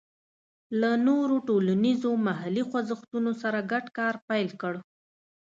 له نورو ټولنیزو محلي خوځښتونو سره ګډ کار پیل کړ.